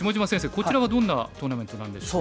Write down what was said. こちらはどんなトーナメントなんでしょう？